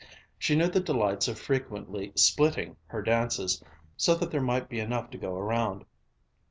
She knew the delights of frequently "splitting" her dances so that there might be enough to go around.